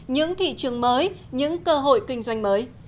những thị trường mới những cơ hội kinh doanh mới